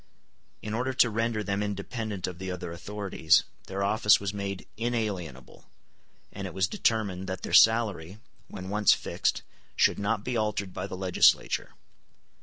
In order to render them independent of the other authorities, their office was made inalienable; and it was determined that their salary, when once fixed, should not be altered by the legislature.